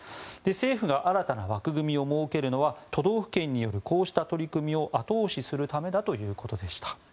政府が新たな枠組みを設けるのは都道府県によるこうした取り組みを後押しするためだということでした。